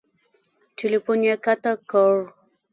ټیلیفون یې قطع کړ !